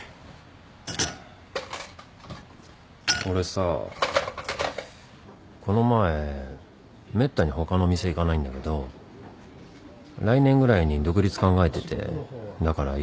俺さこの前めったに他の店行かないんだけど来年ぐらいに独立考えててだから色々回ってて。